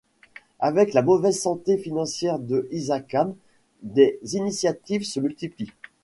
Avec la mauvaise santé financière de Hysacam, des initiatives se multiplient.